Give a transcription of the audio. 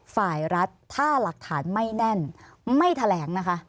ฝ่ายรัฐถ้าหลักฐานไม่แน่นไม่แถลงนะคะ